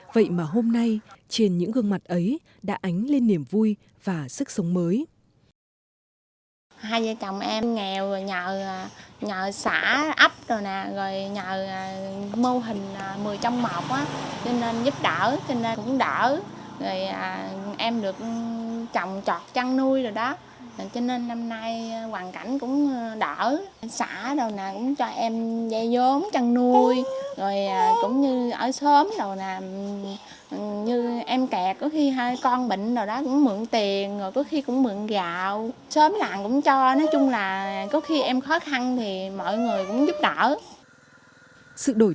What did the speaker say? vậy mà hôm nay trên những gương mặt ấy đã ánh lên niềm vui và sức sống mới